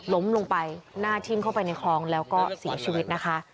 ล้มลงไปหน้าทิ้มเข้าไปในคลองแล้วก็เสียชีวิตนะคะ